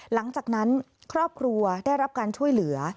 หลังจากนั้นครอบครัวได้รับการช่วยเหลือ